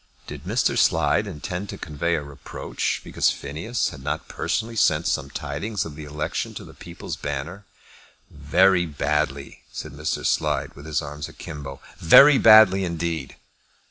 Did Mr. Slide intend to convey a reproach because Phineas had not personally sent some tidings of the election to the People's Banner? "Very badly," said Mr. Slide, with his arms akimbo, "very badly indeed!